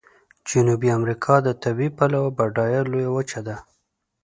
جنوبي امریکا د طبیعي پلوه بډایه لویه وچه ده.